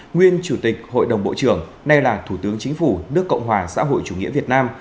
nguyên chủ tịch hội đồng bộ trưởng nay là thủ tướng chính phủ nước cộng hòa xã hội chủ nghĩa việt nam